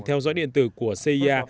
theo dõi điện tử của cia